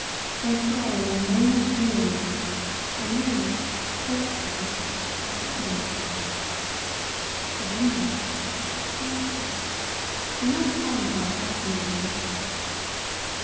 "They sway and languish dreamily, And we, close pressed, are kissing there." It ended! "Close pressed" did not sound at all fascinating.